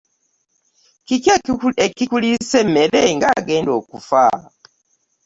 Kiki ekikuliisa emmere ng'agenda okufa?